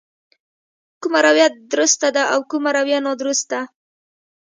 کومه رويه درسته ده او کومه رويه نادرسته.